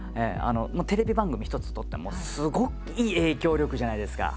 テレビ番組一つとってもすごい影響力じゃないですか。